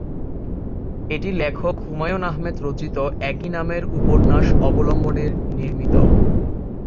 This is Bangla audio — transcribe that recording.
এটি লেখক হুমায়ূন আহমেদ রচিত "একই নামের" উপন্যাস অবলম্বনের নির্মিত।